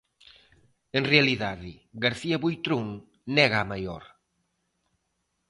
En realidade, García Buitrón nega a maior.